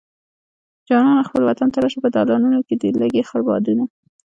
جانانه خپل وطن ته راشه په دالانونو کې دې لګي خړ بادونه